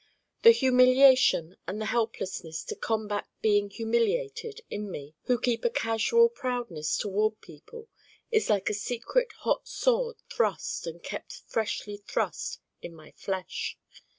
The humiliation and the helplessness to combat being humiliated in me who keep a casual proudness toward people is like a secret hot sword thrust, and kept freshly thrust, in my flesh.